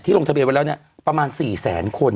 ลงทะเบียนไว้แล้วเนี่ยประมาณ๔แสนคน